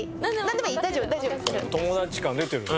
友達感出てるね。